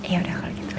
ya udah kalau gitu